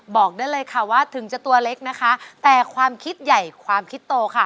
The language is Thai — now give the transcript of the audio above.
บอกได้เลยค่ะว่าถึงจะตัวเล็กนะคะแต่ความคิดใหญ่ความคิดโตค่ะ